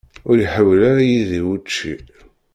Ur iḥawel ara Yidir učči.